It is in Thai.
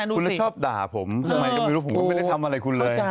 คุณจะชอบด่าผมทำไมก็ไม่รู้ผมก็ไม่ได้ทำอะไรคุณเลย